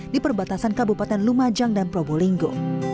di perbatasan kabupaten lumajang dan probolinggo